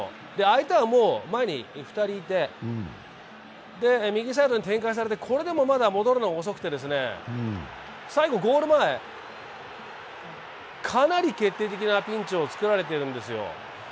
相手はもう前に２人いて右サイドに展開されてこれでもまだ戻るのが遅くて最後、ゴール前、かなり決定的なピンチを作られているんですよ。